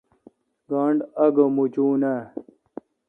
گانٹھ آگہ موچوناں؟